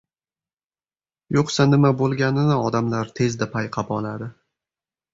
Yoʻqsa, nima boʻlganini odamlar tezda payqab oladi.